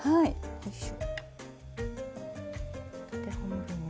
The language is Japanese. よいしょ。